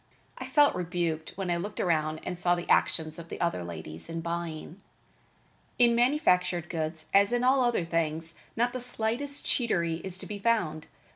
I felt rebuked when I looked around and saw the actions of the other ladies in buying. In manufactured goods, as in all other things, not the slightest cheatery is to be found.